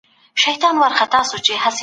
ولسي جرګه له کلونو راهيسې قوانين جوړوي.